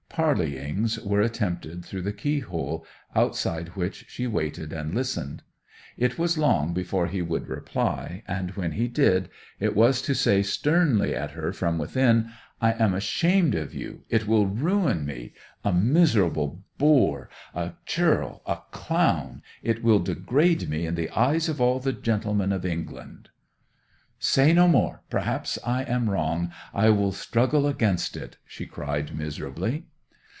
Parleyings were attempted through the keyhole, outside which she waited and listened. It was long before he would reply, and when he did it was to say sternly at her from within: 'I am ashamed of you! It will ruin me! A miserable boor! a churl! a clown! It will degrade me in the eyes of all the gentlemen of England!' 'Say no more—perhaps I am wrong! I will struggle against it!' she cried miserably.